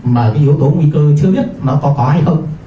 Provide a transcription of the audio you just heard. mà cái yếu tố nguy cơ chưa biết nó có hay không